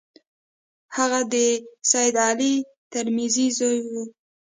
هغه د سید علي ترمذي زوی وو.